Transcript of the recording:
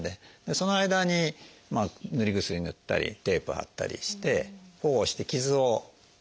その間に塗り薬塗ったりテープ貼ったりして保護して傷を治すと。